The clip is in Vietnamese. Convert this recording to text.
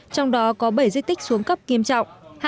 trong đó có bảy di tích xuống cấp nghiêm trọng